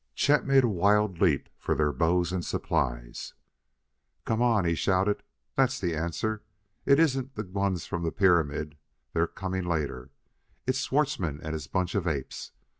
Chet made a wild leap for their bows and supplies. "Come on!" he shouted. "That's the answer. It isn't the ones from the pyramid; they're coming later. It's Schwartzmann and his bunch of apes.